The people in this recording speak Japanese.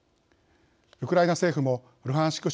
ウクライナ政府もルハンシク